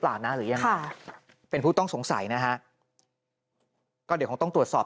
หลังจากพบศพผู้หญิงปริศนาตายตรงนี้ครับ